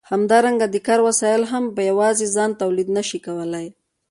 همدارنګه د کار وسایل هم په یوازې ځان تولید نشي کولای.